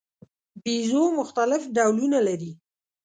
بیزو مختلف ډولونه لري.